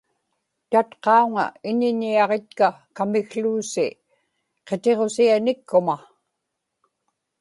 tatqauŋa iñiñiaġitka kamikłuusi qitiġusianikkuma